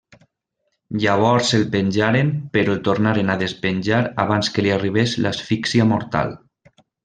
Llavors el penjaren però el tornaren a despenjar abans que li arribés l'asfíxia mortal.